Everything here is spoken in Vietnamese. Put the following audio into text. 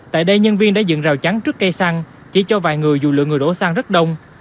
tại đây nhân viên đã dựng rào chắn trước cây xăng chỉ cho vài người dù lượng người đổ xăng rất đông